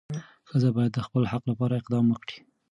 ښځه باید د خپل حق لپاره اقدام وکړي.